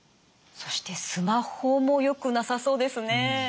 そしてスマホもよくなさそうですね。